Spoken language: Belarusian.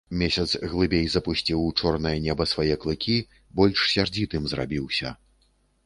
Месяц глыбей запусціў у чорнае неба свае клыкі, больш сярдзітым зрабіўся.